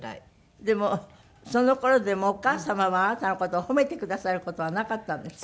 でもその頃でもお母様はあなたの事を褒めてくださる事はなかったんですって？